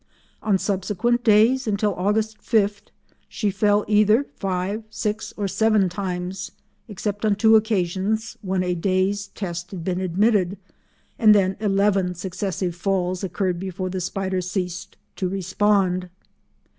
On subsequent days, until August 5, she fell either five, six or seven times, except on two occasions when a day's test had been omitted, and then eleven successive falls occurred before the spider ceased to respond.